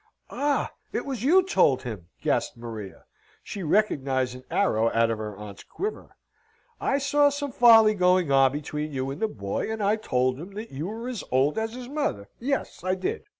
"Ah! it was you told him!" gasped Maria. She recognised an arrow out of her aunt's quiver. "I saw some folly going on between you and the boy, and I told him that you were as old as his mother. Yes, I did!